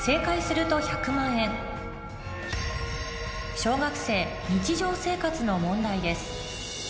小学生日常生活の問題です